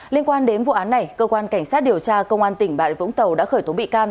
liên quan đến vụ án này cơ quan cảnh sát điều tra công an tỉnh bà rịa vũng tàu đã khởi tố bị can